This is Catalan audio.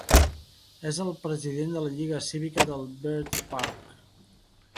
És el president de la Lliga Cívica de Byrd Park.